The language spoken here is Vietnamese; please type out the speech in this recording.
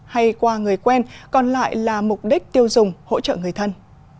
hay qua người quen còn lại là mục đích tiêu dùng hỗ trợ người thân